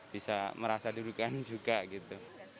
bisa merasa dudukan juga gitu